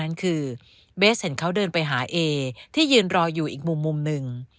นั่นคือเบสเห็นเขาเดินไปหาเอที่ยืนรออยู่อีกมุมหนึ่ง